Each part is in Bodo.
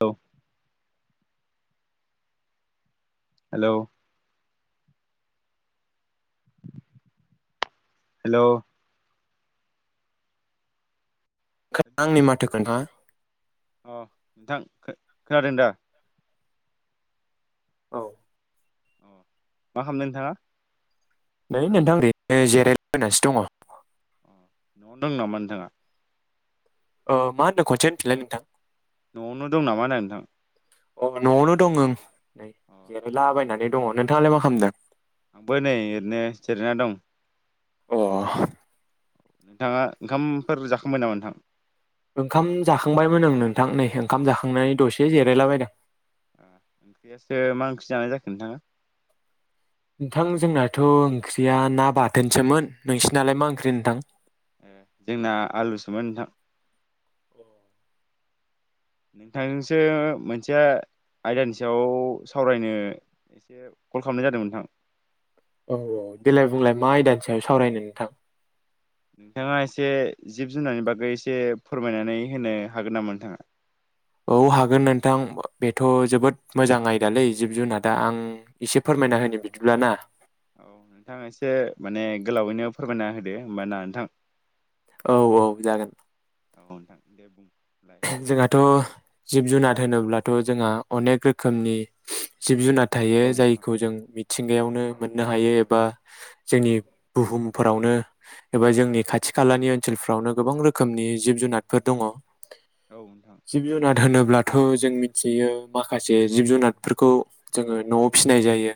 औ हेलौ हेलौ [unintelligible] अ' नोंथां खो खोनादों दा औ मा खालामदों नोंथाङा नै नोंथां ओरैनो जिरायला बायनासो दङ अ न'आवनो दं नामा नोंथाङा उह मा होनदों खनसे होनफिनलाय नोंथां न'आवनो दं नामा होनदों नोंथां अ' न'आवनो दङ ओं नै अ जिरायलाबायनानै दङ नोंथाङालाय मा खालामदों आंबो नै ओरैनो जिरायना दं अ' नोंथाङा ओंखामफोर जाखांबाय नामा नोंथां ओंखाम जाखांबायमोन ओं नोंथां नै ओंखाम जाखांनानै दसे जिरायलाबायदों ओंख्रियासो मा ओंख्रि जानाय जाखो नोंथाङा नोंथां जोंनाथ' ओंख्रिया ना बाथोनसोमोन नोंसिनालाय मा ओंख्रि नोंथां एह जोंना आलुसोमोन नोंथां नोंथांजोंसो मोनसे आयदानि सायाव सावरायनो एसे कल खालामनाय जादोंमोन नोंथां औ औ देलाय बुंलाय मा आयदानि सायाव सावरायनो नोंथां नोंथाङा एसे जिब जुनारनि बागै एसे फोरमायनानै होनो हागोन नामा नोंथाङा औ हागोन नोंथां बेथ' जोबोद मोजां आयदालै जिब जुनादा आं एसे फोरमायना होनो बिदिब्ला ना औ नोंथां एसे माने गोलावैनो फोरमायना होदो होमबा ना नोंथां औ औ जागोन औ नोंथां दे बुं जोंहाथ' जिब जुनार होनोब्लाथ' जोंहा अनेक रोखोमनि जिब जुनार थायो औ नोंथां जायखौ जों मिथिंगायावनो मोननो हायो एबा जोंनि बुहुमफोरावनो एबा जोंनि खाथि खालानि ओनसोलफोरावनो गोबां रोखोमनि जिब जुनारफोर दङ औ नोंथां जिब जुनार होनोब्लाथ' जों मिथियो माखासे जिब जुनारफोरखौ जोङो न'आव फिसिनाय जायो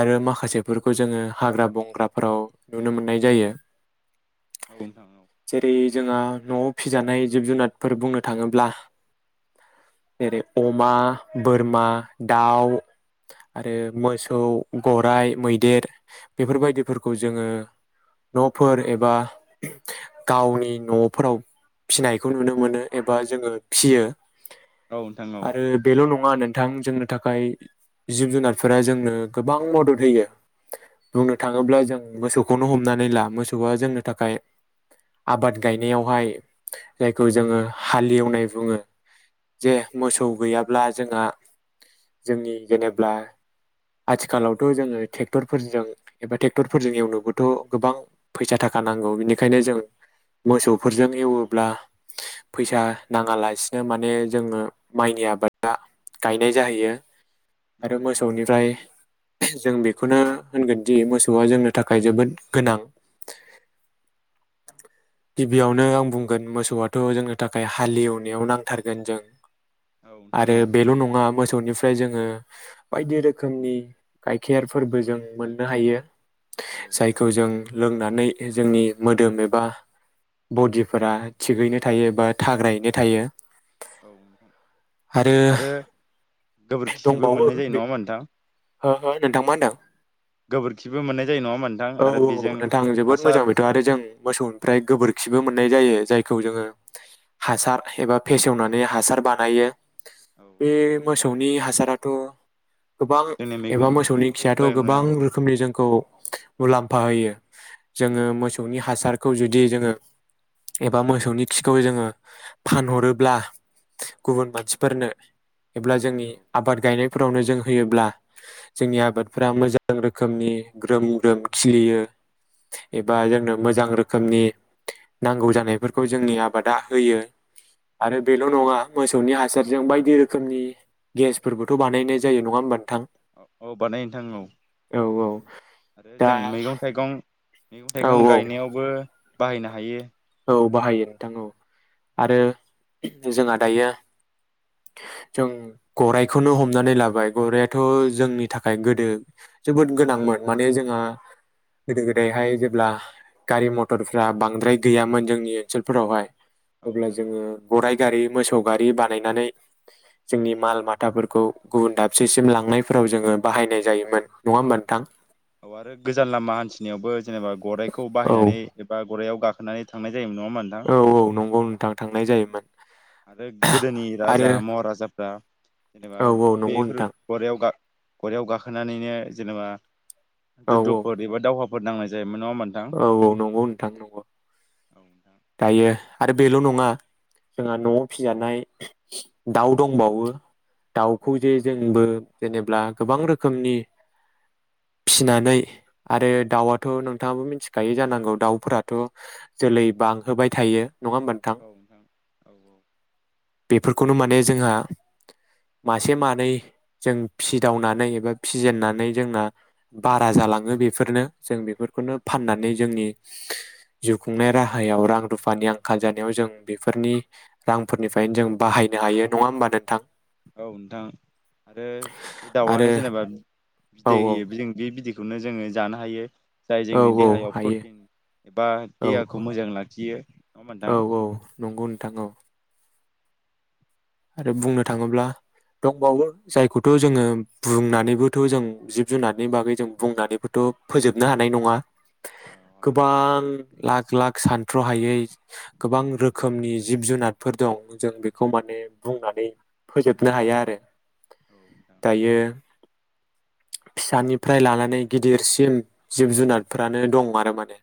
आरो माखासेफोरखौ जोङो हाग्रा बंग्राफोराव नुनो मोननाय जायो औ नोंथां औ जेरै जोंहा न'आव फिजानाय जिब जुनार फोर बुंनो थाङोब्ला जेरै अमा बोरमा दाउ आरो मोसौ गराइ मैदेर बेफोरबायदिफोरखौ जोङो न'फोर एबा गावनि न'फोराव फिसिनायखौ नुनो मोनो एबा जोङो फियो औ नोंथां औ आरो बेल' नङा नों थां जोंनो थाखाय जिब जुनारफोरा जोंनो गोबां मदद होयो बुंनो थाङोब्ला जों मोसौखौनो हमनानै ला मोसौआ जोंनो थाखाय आबाद गायनायावहाय जाय खौ जोङो हालेवनाय बुङो जे मोसौ गैयाब्ला जोंहा जोंनि जेनेब्ला आथिखालावथ' जोङो ट्रेक्टरफोरजों एबा ट्रेक्टरफोरजों एवनोबोथ' गोबां फैसा थाखा नांगौ बेनिखायनो जों मोसौफोरजों एवोब्ला फैसा नाङालासिनो माने जोङो माइनि आबादा गायनाय जाहैयो औ आरो नोंथां औ मोसौनिफ्राय जों बेखौनो होनगोनदि मोसौआ जोंनि थाखाय जोबोद गोनां गिबियावनो आं बुंगोन मोसौआ थ' जोंनो थाखाय हालएवनायाव नांथारगोन जों नोंथां आरो औ बेल' नङा मोसौनिफ्रा ओमफ्राय जोङो बायदि रोखोमनि गायखेरफोरबो जों मोननो हायो औ नोंथां जायखौ जों लोंनानै जोंनि मोदोम एबा बडिफोरा थिगैनो थायोबा थाग्रायैनो थायो औ नोंथां आरो गोबोरखिबो दंबावो मोननाय जायो बे नङा होमबा नोंथां होहो नोंथां मा होनदों? गोबोरखिबो मोननाय जायो नङा होमबा नोंथां औ आरो बेजों औ नोंथां जोबोद हासार मोजां बेथ' आरो जों मोसौनिफ्राय गोबोरखिबो मोननाय जायो जायखौ जोङो हासार एबा फेसेवनानै हासार बानायो औ बे आरो मोसौनि हासाराथ' गोबां जोंनि एबा मैगं मोसौनि मैगं थाइगं खियाथ' गोबां गायनायाव रोखोमनि जोंखौ मुलाम्फा होयो जोङो मैगं थाइगं मोसौनि गायनायाव हासारखौ जुदि जोङो एबा मोसौनि खिखौ जोङो फानहरोब्ला गुबुन मानसिफोरनो एब्ला जोंनि औ आबाद गायनाय फोरावनो जों होयोब्ला जोंनि आबादफोरा मोजां रोखोमनि ग्रोम ग्रोम खिलियो एबा औ जोंनो नोंथां मोजां रोखोमनि नांगौ जानायफोरखौ जोंनि आबादा होयो औ आरो बेल' नोंथां नङा मोसौनि हासार जों बायदि रोखोमनि गेसफोरबोथ' बानायनाय जायो नङा होमबा नो औ बानायो नोंथां औ आरो दा जों मैगं थाइगं मैगं औ थाइगं औ गायनायावबो बाहायनो हायो औ बाहायो नोंथां औ आरो जोंहा दायो जों गररायखौनो हमनानै लाबाय गराइथ' जोंनि थाखाय गोदो जोबोद गोनांमोन माने जोंहा गोदो गोदायहाय जेब्ला गारि मथरफ्रा बांद्राय गैयामोन जोंनि ओनसोलफोरावहाय औ अब्ला नोंथां औ जोङो गराइ गारि मोसौ गारि बानायनानै जोंनि माल माथाफोरखौ गुबुन दाबसेसिम लांनायफोराव जोङो बाहायनाय जायोमोन नङा होमबा नोंथां? औ आरो गोजान लामा हान्थिनायावबो जेनेबा गराइखौ औ बाहायनानै एबा गराइआव गाखो खनानै थांनाय जायोमोन नङा होनबा नोंथां? औ नंगौ नोंथां थांनाय जायोमोन आरो गोदोनि राजा आरो महाराजाफ्रा जेनेबा औ औ नंगौ बेफोर नोंथां गरायाव-गरायाव गाखोनानैनो जेनबा औ जुद्ध'फोर एबा दावहा बहद नांनायजायोमोन औ औ नंगौ नोंथां नंगौ होमबा नोंथां दायो आरो बेल' नङा जोंहा न'आव फिजानाय दाउ दंबावो औ दाउखौ जे नोंथां जोंबो जेनेब्ला गोबां रोखोमनि फिनानै आरो दाउआथ' नोंथाङाबो मिथिखायो जानांगौ दाउफोराथ' जोलै बांहोबाय थायो। नङा होमबा औ नोंथां औ औ बेफोरखौनो माने जोंहा मासे मानै जों फिदावनानै एबा फिजेननानै जोंना बारा जालाङो बेफोरनो जों बेफोर बेखौनो औ फाननानै जोंनि जिउ खुंनाय राहायाव रां रुफानि आंखाल जानायाव जों बेफोरनि रांफोरनिफ्रायनो जों बाहायनो हायो नङा होमबा नोंथां? औ नोंथां आरो बे आरो दाउआनो जेनेबा औ बिदै होयो जों बे बिदै खौनो जोङो जानो हायो। जाय औ जोंनि औ देहायाव हायो प्रटिन एबा औ औ देहाखौ मोजां लाखियो नङा औ मोनथां। औ नंगौ नोंथां औ आरो बुंनो थाङोब्ला दंबावो जायखौथ' जोङो बुंनानैबोथ' जों जिब जुनारनि बागै जों बुंनानैबोथ' फोजोबनो हानाय नङा औ गोबां लाख लाख सानथ्र'हायै गोबां रोखोमनि जिब जुनारफोर दं जों बेखौ माने बुंनानै फोजोबनो हाया आरो नोंथां दायो फिसानिफ्राय लानानै गिदिरसिम जिब जुनारफोरानो दं आरो माने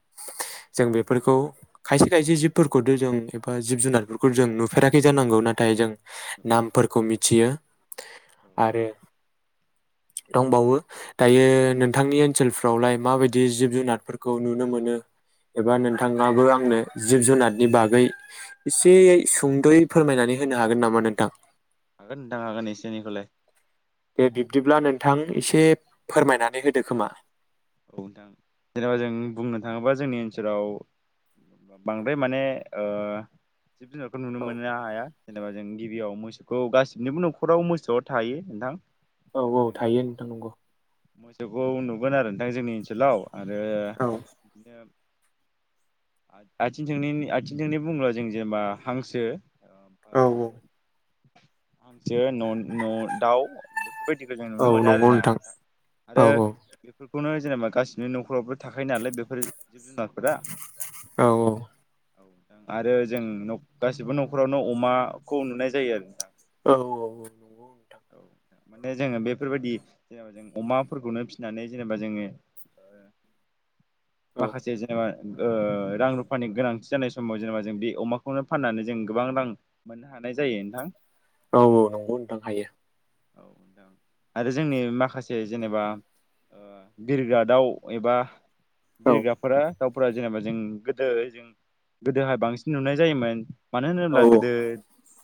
औ जों नोंथां बेफोरखौ खायसे खायसे जिब फोरखौथ' जों एबा जिब जुनारफोरखौ जों नुफेराखै जानांगौ नाथाय जों औ नामफोरखौ मिथियो नोंथां औ आरो दंबावो दायो नोंथांनि ओनसोलफ्रावलाय माबायदि जिब जुनारफोरखौ नुनो मोनो एबा नोंथाङाबो आंनो जिब जुनारनि बागै एसेयै सुंद'यै फोरमायनानै होनो हागोन नामा? नोंथां हागोन नोंथां हागोन एसे एनैखौलाय दे बिब्दिब्ला नोंथां एसे फोरमायनानै होदो खोमा। औ नोंथां जेनेबा जों बुंनो थाङोबा जोंनि ओनसोलाव बांद्राय माने जिब जुनारखौ नुनो औ मोननो हाया जेनेबा जों गिबियाव मोसौखौ गासिबनिबो न'खराव मोसौआ थायो नोंथां औ जेनेबा औ जों थायो नोंथां नंगो मोसौखौ नुगोन आरो नोंथां जोंनि ओन सोलाव आरोे औ बिदिनो आथिंथोंनै बुंब्ला जों जेनबा हांसो औ ओमफाय औ हांसो न' न' दाव बेफोरबायदिखौ जों औ नुनो मोनो नंगौ आरोना नोंथां औ आरो खौनो जेनेबा गासिनि न'खरावबो थाखायो नालाय बेफोर जिब जुनारफोरा औ आरो जों न'गासिबो न'खरावनो अमाखौ नुनाय जायो आरो नोंथां। औ औ औ नंगौ नोंथां। औ माने जोङो बेफोरबादि जेनेबा जों अमाफोरखौनो फिसिनानै जेनेबा जोङो ओ औ माखासे जेनेबा ओ रां रुफानि गोनांथि जानाय समाव जेनेबा जों बे अमाखौनो फाननानै जों गोबां रां मोननो हानाय जायो नोंथां। औ औ नंगौ नोथां हायो। औ नोथां आरो जोंनि माखासे जेनेबा ओ बिरग्रा दाउ एबा औ बिरग्राफोरा जेनेबा जों गोदो जों गोदोहाय बांसिन नुनाय जायोमोन। मानो औ होनोब्ला गोदो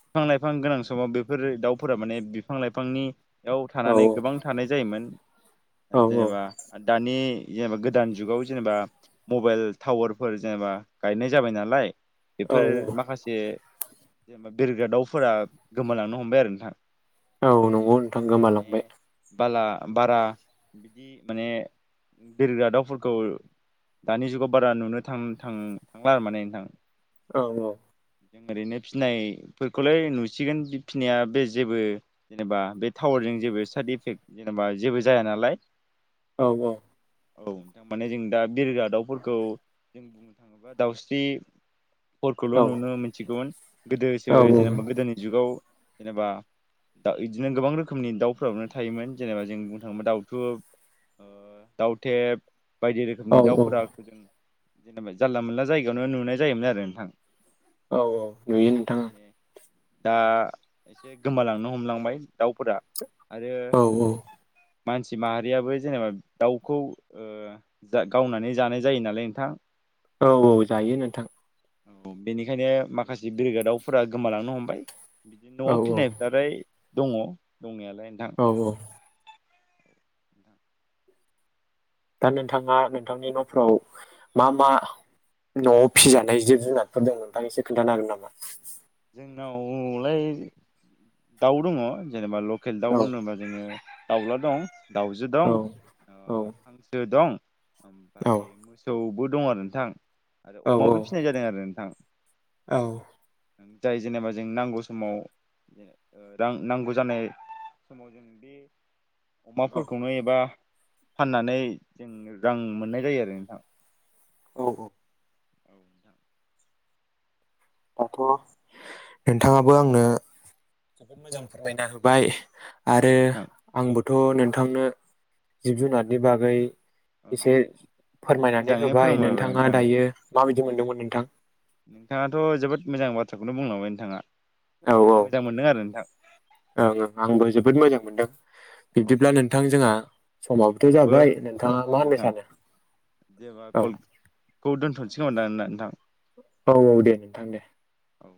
बिफां-लाइफां गोनां समाव बेफोरो दाउफोरा माने बि बिफां-लाइफांनि याव औ थानानै गोबां थानाय जायोमोन। ओ औ जेनेबा दानि यजेनेबा गोदान जुगाव जेनेबा मबाइल टावारफोर जेनेबा गायनाय जाबाय नालाय औ बेफोर माखासे जेनेबा बिरग्रा दाउफोरा गोमालांनो हमबाय आरो नोंथां औ नंगौ नोथां गोमालांबाय। माने बाला बारा बिदि माने बिरग्रा दाउफोरखौ दानि जुगाव बारा नुनो थां थां थांला आरो माने नोंथां। औ औ। ओरैनो फिनायफोरखौलाय नुसिगोन बि फिनाया बे जेबो जेनेबा बे टावारजों जेबो साइद इफेक्ट जेनेबा जेबो जाया नालाय। औ औ। औ नोंथां माने जों दा बिरग्रा दाउफोरखौ दाउस्रि औ फोरखौल' नुनो मोनथिगौमोन गोदोसो जेनेबा गोदोनि जुगाव जेबा दा इदिनो गोबां रोखोमनि दाउफोरावनो थायोमोन जेनेबा जों बुंनो थाङोब्ला दाउथु दाउथेब बायदि औ रोखोमनि औ दाउफोराखौ जों जेनेबा जानला मोनला जायगायावनो नुनाय जायोमोन आरो नोंथां औ औ नुयो नोंथां ओं माने दा एसे गोमालांनो हमलांबाय दाउफोरा आरो औ औ मानसि माहारियाबो जेनेबा दाउखौ ओ जा गावनानै जानाय जायो नालाय नोंथां औ औ जायो नोंथां औ बेनिखायनो माखासे [unintelligible] दावफोरा गोमालांनो हमबाय। बिदिनो न'आव औ औ फिनायफ्रालाय दङ' दंनायाल लाय नोंथां औ औ दा नोंथाङा नोंथांनि न'फोराव मा मा न'आव फिसिजानाय जिब -जुनारफोर दं नोंथां एसे खोन्थानो हागोन नामा? जोंनावलाय दाउ दङ' जेनेबा लकेल औ दाउ होनोबा जोङो दाउला दं दाउजो औ दं औ हांसो दं औ ओमफ्राय मोसौबो दं आरो नोंथां आरो अमाबो फिसिनाय जादों आरो नोंथां औ जाय जेनेबा जों नांगौ समाव रां नांगौ जानाय समाव जों बे अमाफोरखौनो एबा फाननानै जों रां मोननाय जायो आरो नोंथां औ औ औ नोंथां दाथ' नोंथाङाबो आंनो जोबोद मोजां फोरमायना होबाय। आरो औ नोंथां आंबो थ' नोंथांनो जिब -जुनादनि बागै ओं एसे फोरमायनानै मोजाङैनो होबाय फोरोंबायबाय नोंथाङा नोंथां दायो माबायदि मोनदोंमोन नोंथां नोंथाङाथ' जोबोद मोजां बाथ्राखौनो बुंलांबाय नोंथाङा औ ए मोजां मोनदों आरो नोंथां ओं ओं आंबो जोबोद मोजां मोनदों औ बिब्दिब्ला नोंथां जोंहा समाबोथ' समाबो जाबाय नोंथाङा औ मा होननो नोंथां सानो जेबा औ कलखौ [unintelligible] नोंथां औ औ दे नोंथां दे औ